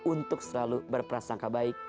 untuk selalu berperasaan kebaik